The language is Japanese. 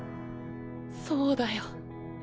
そうだよ